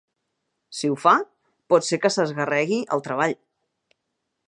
Si ho fa, pot ser que s'esguerri el treball.